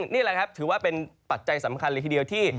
นี่แหละครับถือว่าเป็นปัจจัยสำคัญเลยทีเดียวที่